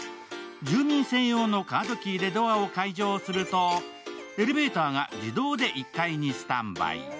住民専用のカードキーでドアを解錠するとエレベーターが自動で１階にスタンバイ。